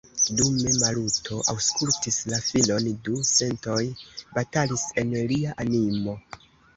Dume Maluto aŭskultis la filon, du sentoj batalis en lia animo.